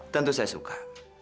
tentu saya suka